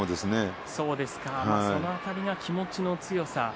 その辺りが気持ちの強さ。